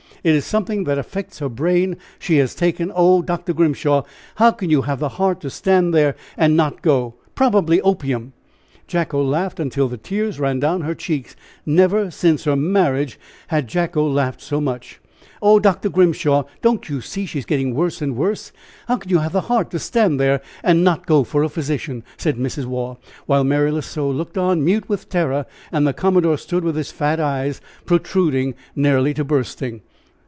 it is something that affects her brain she has taken. Oh! Dr. Grimshaw, how can you have the heart to stand there and not go? Probably opium." Jacko laughed till the tears ran down her cheeks never, since her marriage, had Jacko laughed so much. "Oh, Dr. Grimshaw! Don't you see she is getting worse and worse. How can you have the heart to stand there and not go for a physician?" said Mrs. Waugh, while Mary L'Oiseau looked on, mute with terror, and the commodore stood with his fat eyes protruding nearly to bursting.